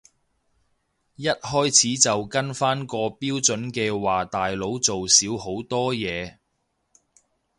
一開始就跟返個標準嘅話大佬做少好多嘢